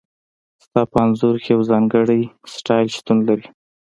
ستا په انځور کې یو ځانګړی سټایل شتون لري